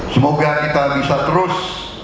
semoga kita bisa terus